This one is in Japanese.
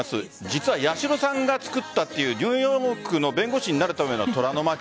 実は八代さんが作ったというニューヨークの弁護士になるための虎の巻。